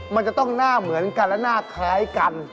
มันจะต้องหน้าเหมือนกันและหน้าคล้ายกัน